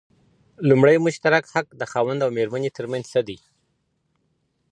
لومړی مشترک حق د خاوند او ميرمني تر منځ څه دی؟